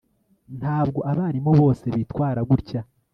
Ntabwo abarimu bose bitwara gutya